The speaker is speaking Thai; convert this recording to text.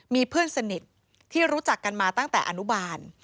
มีเพื่อนสนิทที่รู้จักกันมาตั้งแต่อนุบาล